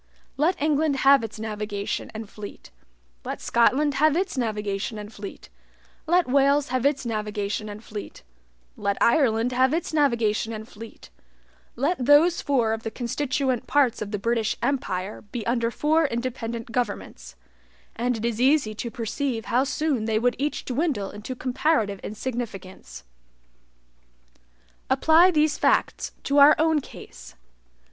Let England have its navigation and fleet let Scotland have its navigation and fleet let Wales have its navigation and fleet let Ireland have its navigation and fleet let those four of the constituent parts of the British empire be under four independent governments, and it is easy to perceive how soon they would each dwindle into comparative insignificance. Apply these facts to our own case.